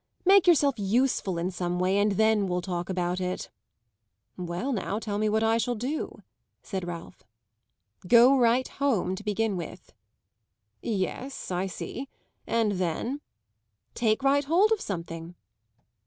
Make yourself useful in some way, and then we'll talk about it." "Well, now, tell me what I shall do," said Ralph. "Go right home, to begin with." "Yes, I see. And then?" "Take right hold of something."